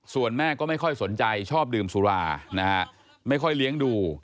ส่วนแม่ก็ไม่ค่อยสนใจชอบดื่มสุรานะฮะไม่ค่อยเลี้ยงดู